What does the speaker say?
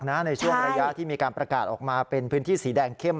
ในช่วงระยะที่มีการประกาศออกมาเป็นพื้นที่สีแดงเข้ม